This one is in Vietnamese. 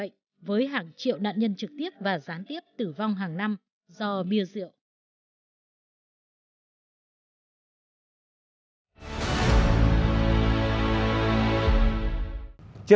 có nguyên nhân từ bia rượu